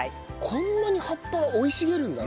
こんなに葉っぱ生い茂るんだね。